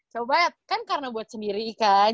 coba kan karena buat sendiri kan